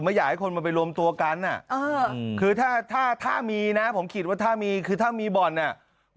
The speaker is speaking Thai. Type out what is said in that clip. ไม่อยากให้คนมันไปรวมตัวกันคือถ้าถ้ามีนะผมคิดว่าถ้ามีคือถ้ามีบ่อนเนี่ย